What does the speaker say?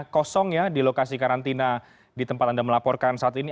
kosong ya di lokasi karantina di tempat anda melaporkan saat ini